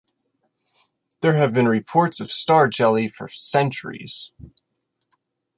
There have been reports of 'star-jelly' for centuries.